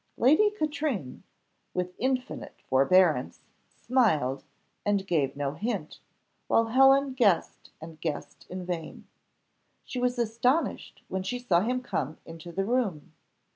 Lady Katrine, with infinite forbearance, smiled, and gave no hint, while Helen guessed and guessed in vain. She was astonished when she saw him come into the room.